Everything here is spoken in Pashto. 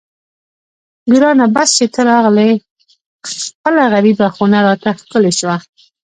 ګرانه بس چې ته راغلې خپله غریبه خونه راته ښکلې شوه.